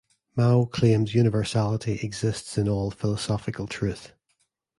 Mou claims universality exists in all philosophical truth.